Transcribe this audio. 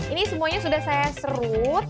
ini semuanya sudah saya serut